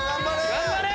頑張れ！